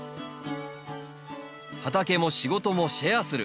畑も仕事もシェアする。